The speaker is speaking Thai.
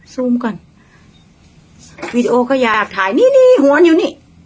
ซูมก่อนวีดีโอก็อยากถ่ายนี่นี่หวนอยู่นี่